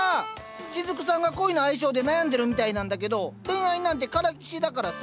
しずくさんが恋の相性で悩んでるみたいなんだけど恋愛なんてからっきしだからさ。